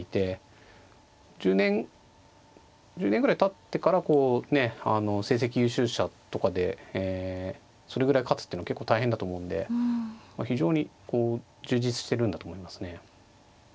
１０年ぐらいたってからこう成績優秀者とかでそれぐらい勝つっていうのは結構大変だと思うんで非常にこう充実してるんだと思いますね。